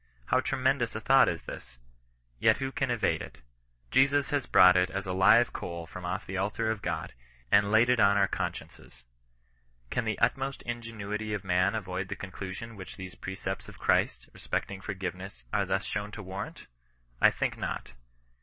How tremendous a thought is this ! Yet who can evade it. Jesus has brought it as a live coal ^m off the altar of God, and laid it on our consciences. Can the utmost ingenuity of man avoid the conclusion which these precepts of Christ, respecting forgiveness, are thus shown to warrant ! I think not.